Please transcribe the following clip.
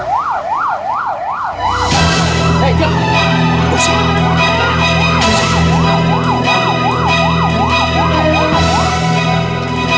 kamu bertahan ya